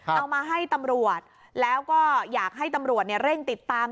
เอามาให้ตำรวจแล้วก็อยากให้ตำรวจเร่งติดตาม